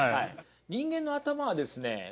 人間の頭はですね